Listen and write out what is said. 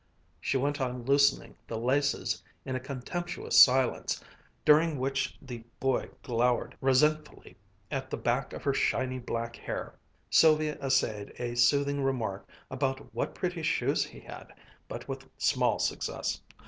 She went on loosening the laces in a contemptuous silence, during which the boy glowered resentfully at the back of her shining black hair. Sylvia essayed a soothing remark about what pretty shoes he had, but with small success.